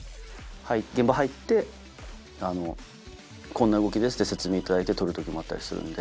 現場入ってこんな動きですと説明いただいて撮る時もあったりするんで。